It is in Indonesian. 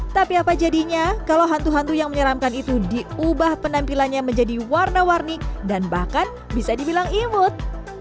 tapi apa jadinya kalau hantu hantu yang menyeramkan itu diubah penampilannya menjadi warna warni dan bahkan bisa dibilang imut